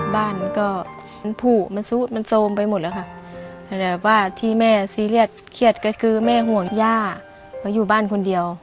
บ้านก็มันผูมันโซมไปหมดแล้วค่ะแต่ว่าที่แม่ซีเรียสเครียดก็คือแม่ห่วงย่าเพราะอยู่บ้านคนเดียว